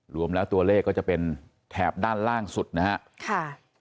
รวมแล้วตัวเลขก็จะเป็นแถบด้านล่างสุดนะครับ